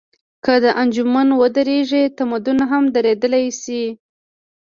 که دا انجن ودرېږي، تمدن هم درېدلی شي.